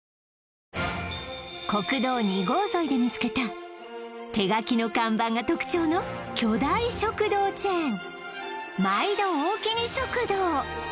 国道２号沿いで見つけた手書きの看板が特徴の巨大食堂チェーン